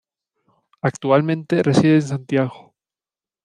Actualmente reside en Santiago.